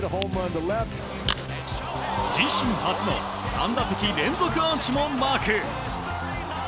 自身初の３打席連続アーチもマーク。